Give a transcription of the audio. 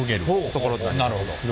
なるほど。